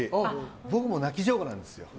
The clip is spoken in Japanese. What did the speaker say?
僕も泣き上戸なんですよ。